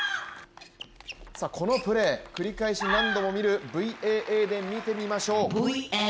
このプレー、繰り返し何度も見るＶＡＡで見てみましょう。